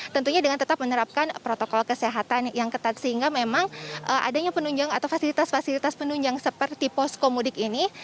tentunya dengan tetap menerapkan protokol kesehatan yang ketat sehingga memang adanya penunjang atau fasilitas fasilitas penunjang seperti poskomudik ini